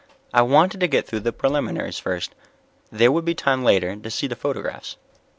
I wanted to get through the preliminaries first. There would be time later to see the photographs.